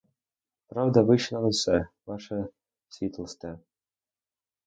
Правда вища над усе, ваша світлосте!